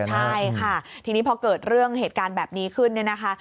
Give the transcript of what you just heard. ใช่ค่ะทีนี้พอเกิดเรื่องเหตุการณ์แบบนี้ขึ้นเนี่ยนะคะ